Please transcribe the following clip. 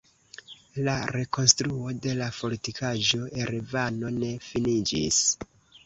La rekonstruo de la Fortikaĵo Erevano ne finiĝis.